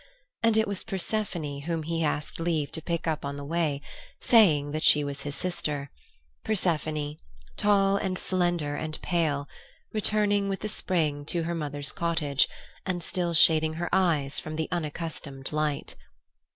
And it was Persephone whom he asked leave to pick up on the way, saying that she was his sister—Persephone, tall and slender and pale, returning with the Spring to her mother's cottage, and still shading her eyes from the unaccustomed light.